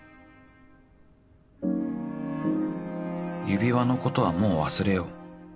指輪のことはもう忘れよう